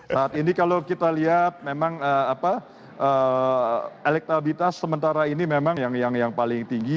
saat ini kalau kita lihat memang elektabilitas sementara ini memang yang paling tinggi